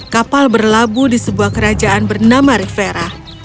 kapal berlabuh di sebuah kerajaan bernama rifhera